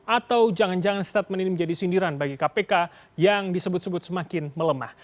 atau jangan jangan statement ini menjadi sindiran bagi kpk yang disebut sebut semakin melemah